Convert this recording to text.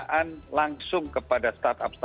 kita ingin menggunakan perusahaan yang berbeda